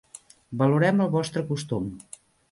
Valorem el vostre costum.